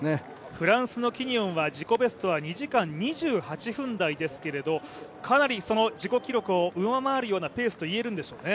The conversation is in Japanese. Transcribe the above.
フランスのキニオンは自己ベストは２時間２８分台ですけれども、かなりその自己記録を上回るようなペースといえるんでしょうね。